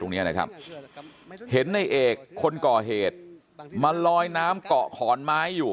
ตรงเนี่ยนะครับเห็นนายเอกคนก่อเหตุมาลอยน้ำกรอบขอนไม้